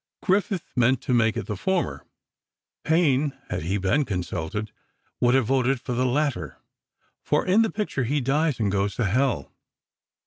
Griffith meant to make it the former. Payne, had he been consulted, would have voted for the latter, for in the picture, he dies and goes to Hell.